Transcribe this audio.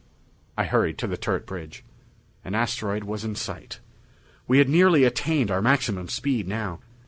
I hurried to the turret bridge. An asteroid was in sight. We had nearly attained our maximum speed now.